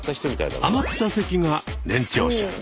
あまった席が年長者。